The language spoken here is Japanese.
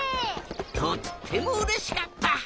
とってもうれしかった！